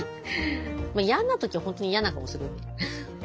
嫌な時は本当に嫌な顔するんで。